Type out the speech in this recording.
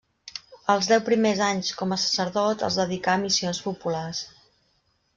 Els deu primers anys com a sacerdot els dedicà a missions populars.